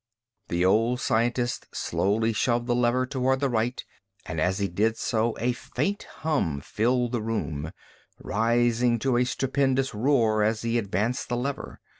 The old scientist slowly shoved the lever toward the right, and as he did so a faint hum filled the room, rising to a stupendous roar as he advanced the lever.